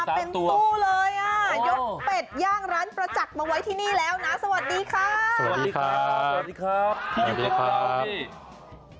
คุณผู้เลยยกเป็ดย่างร้านประจักษ์มาไว้ทีนี้แล้วสวัสดีค่ะ